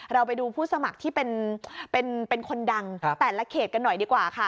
เราไปดูผู้สมัครที่เป็นคนดังแต่ละเขตกันหน่อยดีกว่าค่ะ